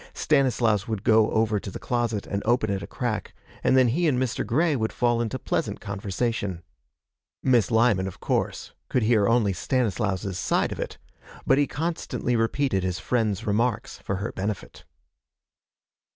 Stanislaus would go over to the closet and open it a crack, and then he and Mr. Grey would fall into pleasant conversation. Miss Lyman, of course, could hear only Stanislaus's side of it, but he constantly repeated his friend's remarks for her benefit.